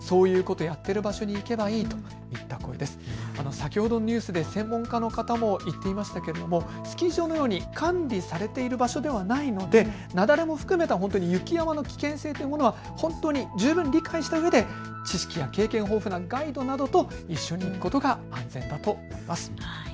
先ほどのニュースで専門家の方も言っていましたがスキー場のように管理されている場所ではないので雪崩も含めた雪山の危険性を十分理解したうえで知識や経験豊富なガイドの方と一緒に行うことが安全だと思います。